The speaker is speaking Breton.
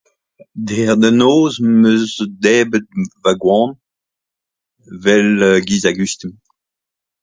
Dec'h da noz 'm eus debret va goan 'vel giz a gustum.